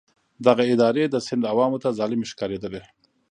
دغه ادارې د سند عوامو ته ظالمې ښکارېدې.